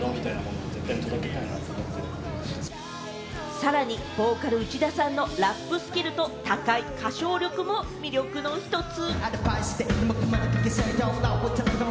さらにボーカル・内田さんのラップスキルと高い歌唱力も魅力の１つ。